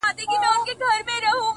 د سر په سترگو چي هغه وينمه،